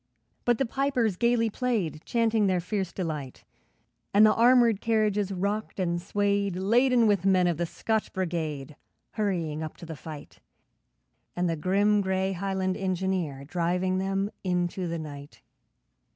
But the pipers gaily played, Chanting their fierce delight, And the armoured carriages rocked and swayed, Laden with men of the Scotch Brigade, Hurrying up to the fight, And the grim, grey Highland engineer, Driving them into the night.